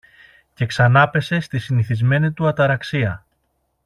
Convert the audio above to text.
και ξανάπεσε στη συνηθισμένη του αταραξία.